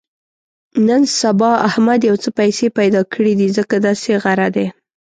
نن سبا احمد یو څه پیسې پیدا کړې دي، ځکه داسې غره دی.